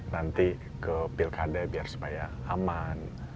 nanti ke pilkada biar supaya aman